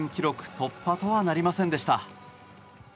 突破とはなりませんでした。